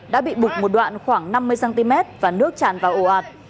đã bị bục một đoạn khoảng năm mươi cm và nước chản vào ổ ạt